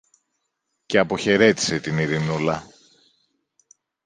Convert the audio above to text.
και αποχαιρέτησε την Ειρηνούλα.